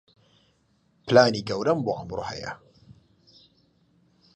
پلانی گەورەم بۆ ئەمڕۆ هەیە.